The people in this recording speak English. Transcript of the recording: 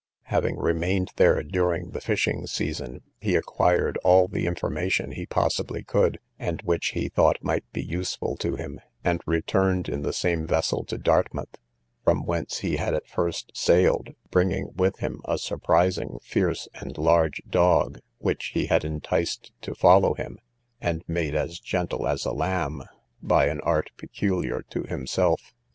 Having remained there during the fishing season, he acquired all the information he possibly could, and which he thought might be useful to him, and returned in the same vessel to Dartmouth, from whence he had at first sailed, bringing with him a surprising fierce and large dog, which he had enticed to follow him, and made as gentle as a lamb, by an art peculiar to himself.